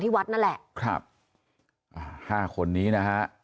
เมื่อวานแบงค์อยู่ไหนเมื่อวาน